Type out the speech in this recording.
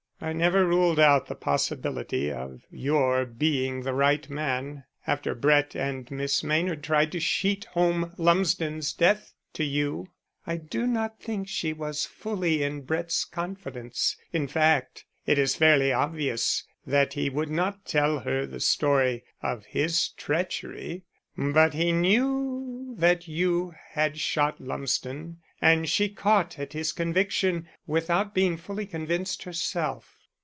I never ruled out the possibility of your being the right man after Brett and Miss Maynard tried to sheet home Lumsden's death to you. I do not think she was fully in Brett's confidence in fact, it is fairly obvious that he would not tell her the story of his treachery. But he knew that you had shot Lumsden and she caught at his conviction without being fully convinced herself.